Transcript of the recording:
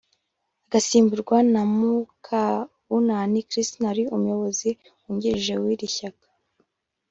agasimburwa na Mukabunani Christine wari umuyobozi wungirije w’iri shyaka